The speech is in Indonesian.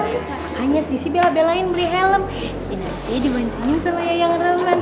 makanya sisi bela belain beli helm ya nanti diboncengin sama yang roman